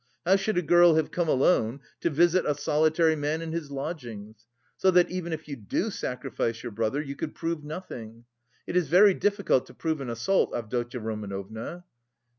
How should a girl have come alone to visit a solitary man in his lodgings? So that even if you do sacrifice your brother, you could prove nothing. It is very difficult to prove an assault, Avdotya Romanovna."